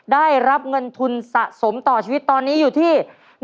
ได้รับเงินทุนสะสมต่อชีวิตตอนนี้อยู่ที่